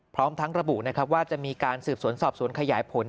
พร้อมทั้งระบุนะครับว่าจะมีการสืบสวนสอบสวนขยายผล